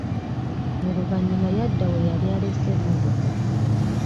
Oluvanyuma yadda we yali alesse emmotoka.